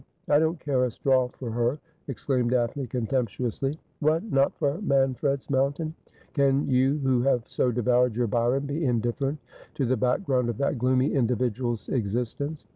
' I don't care a straw for her,' exclaimed Daphne contemp tuously. T 290 Asphodel. ' What, not for Manfred's mountain? Can you, who have so devoured your Bjron, be indifferent to the background of that gloomy individual's existence